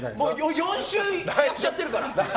４週きちゃっているから。